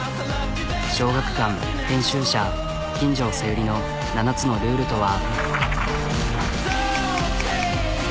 小学館編集者金城小百合の７つのルールとは。